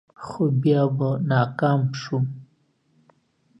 خو بیا به ناکام شوم.